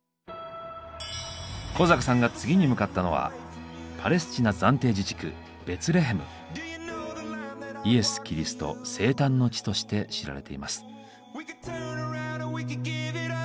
小坂さんが次に向かったのはイエス・キリスト生誕の地として知られています。